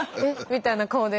みたいな顔で。